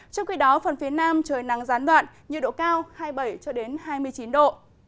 trong khi đó phần phía nam trời nắng gián đoạn nhiệt độ cao hai mươi bảy cho đến hai mươi chín độ